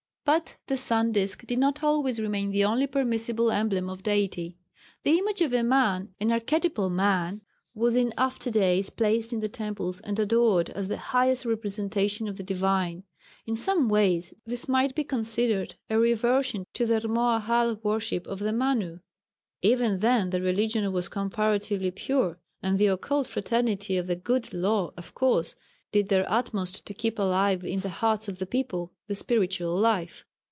But the sun disk did not always remain the only permissible emblem of Deity. The image of a man an archetypal man was in after days placed in the temples and adored as the highest representation of the divine. In some ways this might be considered a reversion to the Rmoahal worship of the Manu. Even then the religion was comparatively pure, and the occult fraternity of the "Good Law" of course did their utmost to keep alive in the hearts of the people the spiritual life.